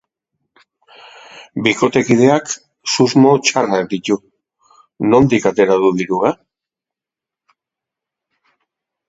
Bikotekideak susmo txarrak ditu: nondik atera du dirua?